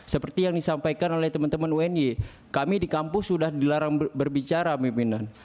seperti yang disampaikan oleh teman teman uny kami di kampus sudah dilarang berbicara pimpinan